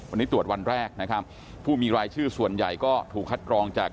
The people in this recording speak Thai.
วันนี้ตรวจวันแรกนะครับผู้มีรายชื่อส่วนใหญ่ก็ถูกคัดกรองจาก